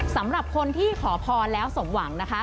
สำหรับคนที่ขอพรแล้วสมหวังนะคะ